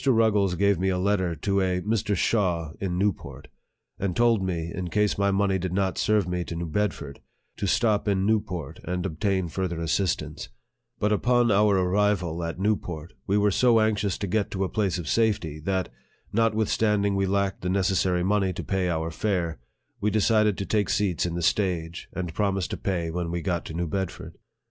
Ruggles gave me a letter to a Mr. Shaw in Newport, and told me, in case my money did not serve me to New Bedford, to stop in Newport and ob tain further assistance ; but upon our arrival at New port, we were so anxious to get to a place of safety, that, notwithstanding we lacked the necessary money to pay our fare, we decided to take seats in the stage, and promise to pay when we got to New Bedford.